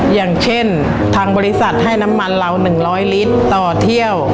อย่างเช่นทางบริษัทให้น้ำมันเรา๑๐๐ลิตรต่อเที่ยว